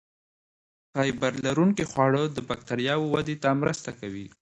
فایبر لرونکي خواړه د بکتریاوو ودې ته مرسته کوي.